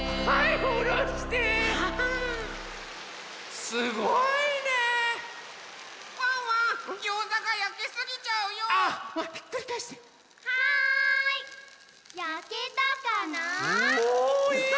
はい！